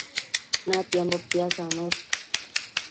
natiambo pisadosh